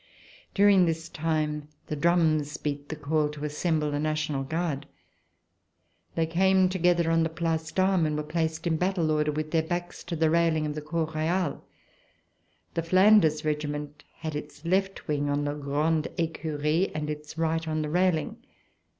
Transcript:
During this time the drums beat the call to as semble the National Guard. They came together on the Place d'Armes and were placed in battle order with their backs to the railing of the Cour Royale. The Flanders Regiment had its left wing on the Grande Ecurie and its right on the railing.